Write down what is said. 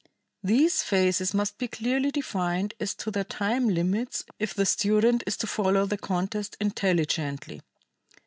These phases must be clearly defined as to their time limits if the student is to follow the contest intelligently.